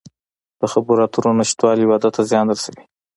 د خبرو اترو نشتوالی واده ته زیان رسوي.